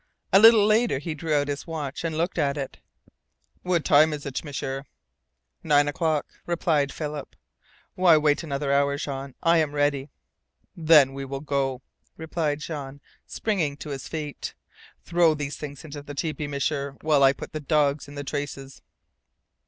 A little later he drew out his watch and looked at it. "What time is it, M'sieur?" "Nine o'clock," replied Philip. "Why wait another hour, Jean? I am ready." "Then we will go," replied Jean, springing to his feet. "Throw these things into the tepee, M'sieur, while I put the dogs in the traces."